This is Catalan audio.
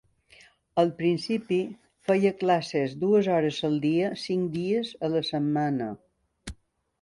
Al principi feia classes dues hores al dia, cinc dies a la setmana.